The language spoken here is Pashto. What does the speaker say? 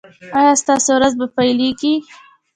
ایا ستاسو ورځ به پیلیږي؟